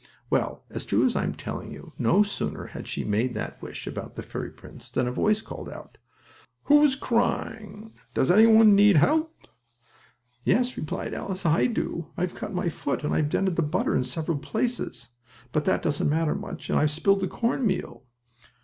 Well, as true as I'm telling you, no sooner had she made that wish about the fairy prince than a voice called out: "Who is crying? Does any one need help?" "Yes," replied Alice, "I do. I've cut my foot, and I've dented the butter in several places, but that doesn't matter much, and I've spilled the cornmeal."